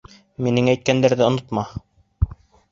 Минең әйткәндәрҙе онотма.